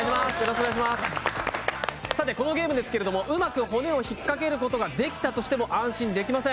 このゲームですけれども、うまく骨が引っ掛けられたとしても安心できません。